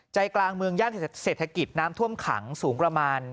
ใจกลางเมืองย่านเศรษฐกิจน้ำท่วมขังสูงประมาณ